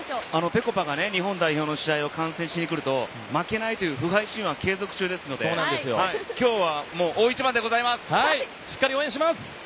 ぺこぱが日本代表の試合を見に来ると負けないという不敗神話を継続中なので、しっかり応援します。